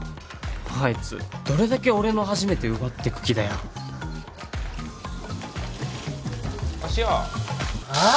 あいつどれだけ俺の初めて奪ってく気だよ芦屋ああ！？